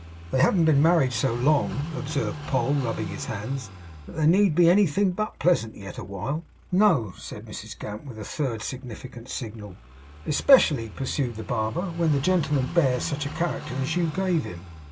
'They haven't been married so long,' observed Poll, rubbing his hands, 'that they need be anything but pleasant yet awhile.' 'No,' said Mrs Gamp, with a third significant signal. 'Especially,' pursued the barber, 'when the gentleman bears such a character as you gave him.